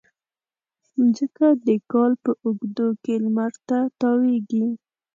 مځکه د کال په اوږدو کې لمر ته تاوېږي.